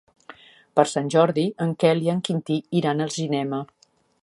Per Sant Jordi en Quel i en Quintí iran al cinema.